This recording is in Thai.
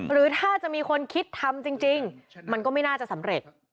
หรือถ้าจะมีคนคิดทำจริงมันก็ไม่น่าจะสำเร็จ